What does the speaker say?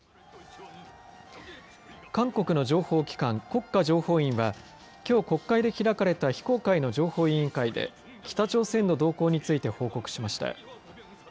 韓国の情報機関、国家情報院はきょう国会で開かれた非公開の情報委員会で北朝鮮の動向について報告しました。